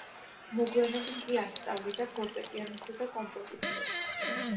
მოგვიანებით იგი ასწავლიდა ფორტეპიანოსა და კომპოზიციას.